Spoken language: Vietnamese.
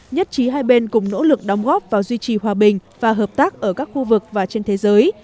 nhất trí hai bên cùng nỗ lực đóng góp vào duy trì hòa bình và hợp tác ở các khu vực và trên thế giới